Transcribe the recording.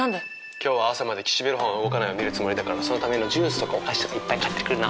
今日は朝まで「岸辺露伴は動かない」を見るつもりだからそのためのジュースとかお菓子とかいっぱい買ってくるの。